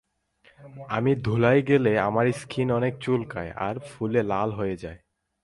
আমি ধুলায় গেলে আমার স্কিন অনেক চুলকায় আর ফুলে লাল হয়ে যায়।